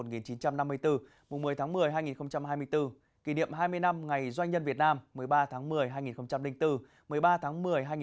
một mươi tháng một mươi hai nghìn hai mươi bốn kỷ niệm hai mươi năm ngày doanh nhân việt nam một mươi ba tháng một mươi hai nghìn bốn một mươi ba tháng một mươi hai nghìn hai mươi bốn